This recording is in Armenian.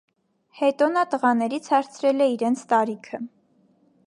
Հետո նա տղաներից հարցրել է իրենց տարիքը։